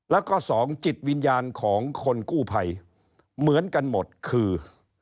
แล้วก็สองจิตวิญญาณของคนกู้ภัยเหมือนกันหมดคือ